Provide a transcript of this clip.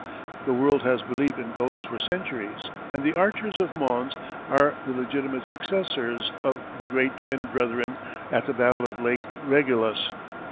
The world has believed in ghosts for centuries and the Archers of Mons are the legitimate successors of the Great Twin Brethren at the Battle of Lake Regillus.